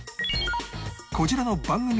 こちらの番組